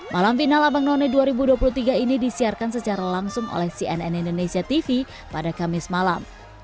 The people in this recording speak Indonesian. malam final abang none dua ribu dua puluh tiga ini disiarkan secara langsung oleh cnn indonesia tv pada kamis malam